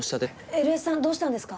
エルエスさんどうしたんですか？